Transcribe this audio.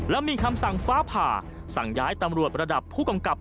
แล้วมีคำสั่งฟ้าผ่าสั่งย้ายตำรวจระดับผู้กำกับ